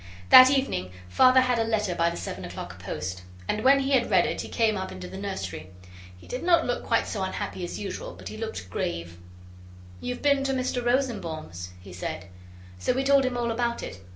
That evening Father had a letter by the seven o'clock post. And when he had read it he came up into the nursery. He did not look quite so unhappy as usual, but he looked grave. 'You've been to Mr Rosenbaum's,' he said. So we told him all about it.